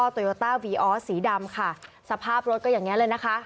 โตโยต้าวีออสสีดำค่ะสภาพรถก็อย่างเงี้เลยนะคะ